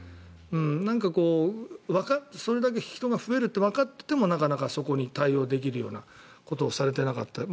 なんかそれだけ人が増えるってわかっていてもなかなかそこに対応できるようなことをされていなかったり。